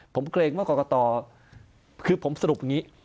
ผมเกรงว่ากรกฎตอคือผมสรุปแบบนี้